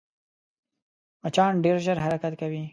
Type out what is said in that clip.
مچان ډېر ژر حرکت کوي